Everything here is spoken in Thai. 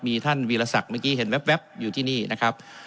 มีท่านวีรศักดิ์เมื่อกี้เห็นแว๊บอยู่ที่นี่นะครับ